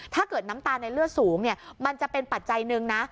ถ้าเกิดน้ำตาลในเลือดสูงมันจะเป็นปัจจัยหนึ่งนะ